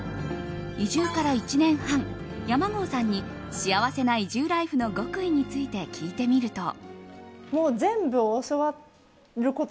移住から１年半、山郷さんに幸せな移住ライフの極意について聞いてみると。